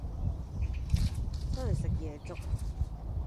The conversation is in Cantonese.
出去食夜粥？